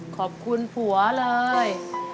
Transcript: ขอบคุณผัวเลย